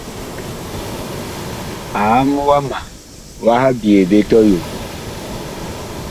Aam wama wah byee ɓe tɔyom.